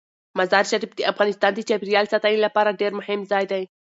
مزارشریف د افغانستان د چاپیریال ساتنې لپاره ډیر مهم ځای دی.